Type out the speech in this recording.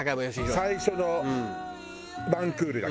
最初の１クールだけ。